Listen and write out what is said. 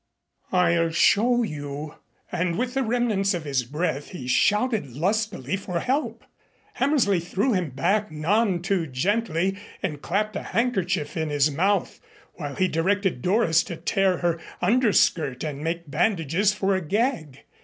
"I'll show you." And with the remnants of his breath he shouted lustily for help. Hammersley threw him back, none too gently, and clapped a handkerchief in his mouth, while he directed Doris to tear her under skirt and make bandages for a gag.